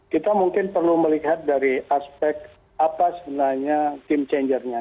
kita mungkin perlu melihat dari aspek apa sebenarnya game changernya